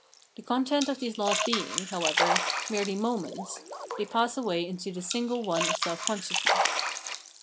The content of these laws being, however, merely moments, they pass away into the single one of self consciousness.